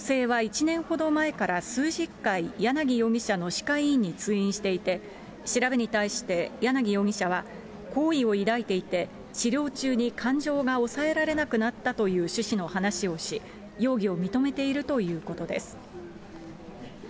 女性は１年ほど前から数十回、柳容疑者の歯科医院に通院していて、調べに対して柳容疑者は、好意を抱いていて、治療中に感情が抑えられなくなったという趣旨の話をし、容疑を認めているということです。